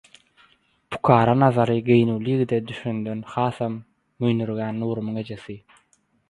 Pukara nazary geýnüwli ýigide düşenden hasam müýnürgän Nurumyň ejesi: